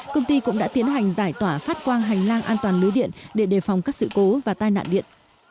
công ty cũng đã tiến hành giải tỏa phát quang hành lang an toàn lưới điện để đề phòng các sự cố và tai nạn điện